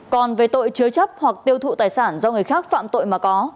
còn về tội chứa chấp hoặc tiêu thụ tài sản do người khác phạm tội mà có